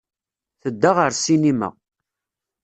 Tedda ɣer ssinima.